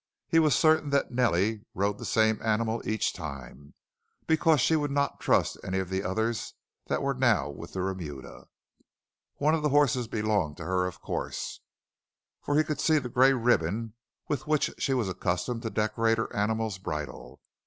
He was certain that Nellie rode the same animal each time, because she would not trust any of the others that were now with the remuda. One of the horses belonged to her of course, for he could see the gay ribbon with which she was accustomed to decorate her animal's bridle.